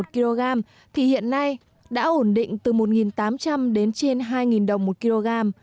một kg thì hiện nay đã ổn định từ một tám trăm linh đến trên hai đồng một kg